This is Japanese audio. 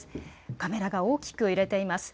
カメラが大きく揺れています。